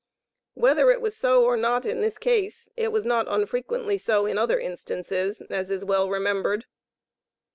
Whether it was so or not in this case, it was not unfrequently so in other instances, as is well remembered.